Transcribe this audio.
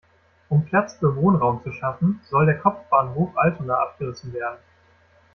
Um Platz für Wohnraum zu schaffen, soll der Kopfbahnhof Altona abgerissen werden.